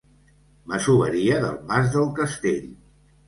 Masoveria del mas del Castell.